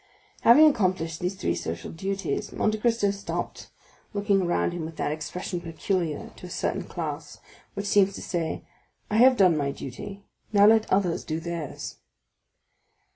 Having accomplished these three social duties, Monte Cristo stopped, looking around him with that expression peculiar to a certain class, which seems to say, "I have done my duty, now let others do theirs."